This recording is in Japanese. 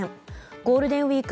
ゴールデンウィーク